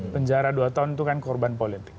penjara dua tahun itu kan korban politik